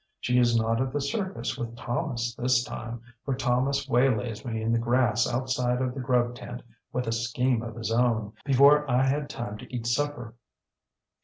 She is not at the circus with Thomas this time, for Thomas waylays me in the grass outside of the grub tent with a scheme of his own before I had time to eat supper.